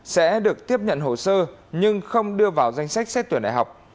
sẽ được tiếp nhận hồ sơ nhưng không đưa vào danh sách xét tuyển đại học